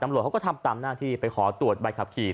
ตำรวจเขาก็ทำตามหน้าที่ไปขอตรวจใบขับขี่